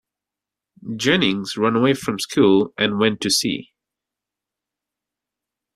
Jannings ran away from school and went to sea.